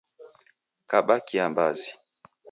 Kaba kiambazi.